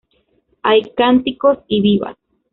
Hay cánticos y vivas.